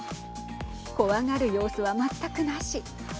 怖がる様子は全くなし。